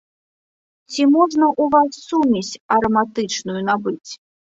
Ці можна у вас сумесь араматычную набыць?